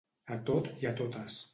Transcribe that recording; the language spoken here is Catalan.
A tot i a totes.